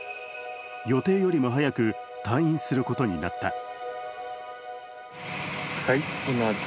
予定よりも早く、退院することになった。